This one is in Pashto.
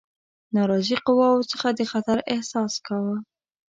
ناراضي قواوو څخه د خطر احساس کاوه.